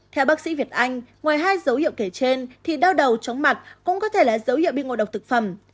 theo bác sĩ việt anh ngoài hai dấu hiệu kể trên thì đau đầu chóng mặt cũng có thể là dấu hiệu bị ngộ độc thực phẩm